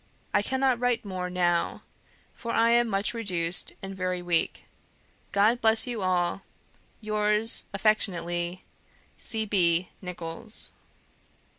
I cannot write more now; for I am much reduced and very weak. God bless you all. Yours affectionately, "C. B. NICHOLLS."